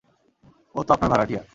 ও তো আপনার ভাড়াটিয়া।